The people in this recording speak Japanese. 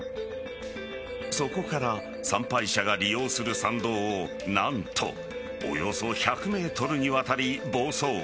そこから参拝者が利用する参道を何とおよそ１００ｍにわたり暴走。